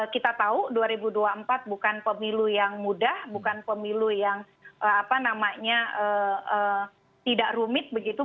kita tahu dua ribu dua puluh empat bukan pemilu yang mudah bukan pemilu yang tidak rumit begitu